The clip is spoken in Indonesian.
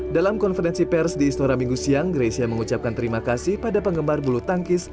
dalam konferensi pers di istora minggu siang greysia mengucapkan terima kasih pada penggemar bulu tangkis